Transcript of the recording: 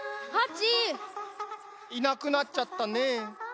ハチ！いなくなっちゃったねえ。